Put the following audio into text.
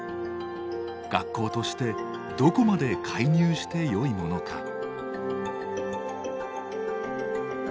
学校としてどこまで介入してよいものか。